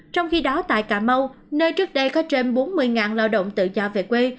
trong khi đó tại cà mau nơi trước đây có trên bốn mươi lao động tự do về quê